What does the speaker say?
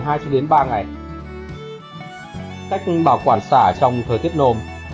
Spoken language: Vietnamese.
bước năm cách bảo quản sả trong thời tiết nôm